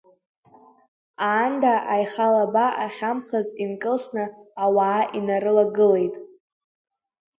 Аанда аихалаба ахьамхыз инкылсны, ауаа инарылагылеит.